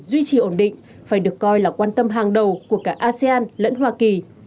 duy trì ổn định phải được coi là quan tâm hàng đầu của cả asean lẫn hoa kỳ